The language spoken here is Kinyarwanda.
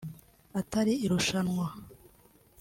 atari irushanwa